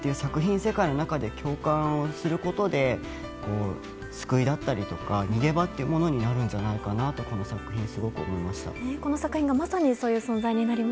世界の中で共感をすることで救いだったりとか逃げ場というものになるんじゃないかなとスポーツです。